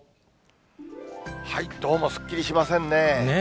どうもすっきりしませんね。